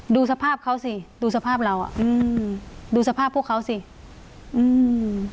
ดูสภาพเขาสิดูสภาพเราอ่ะอืมดูสภาพพวกเขาสิอืม